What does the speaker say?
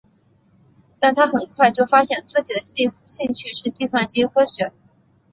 但他很快就发现自己的兴趣是计算机科学。